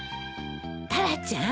タラちゃん。